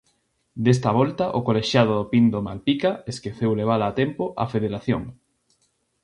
Desta volta o colexiado do Pindo - Malpica esqueceu levala a tempo á federación.